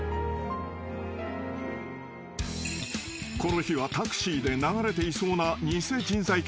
［この日はタクシーで流れていそうな］